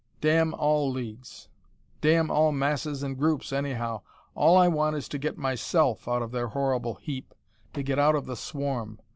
"Damn all leagues. Damn all masses and groups, anyhow. All I want is to get MYSELF out of their horrible heap: to get out of the swarm.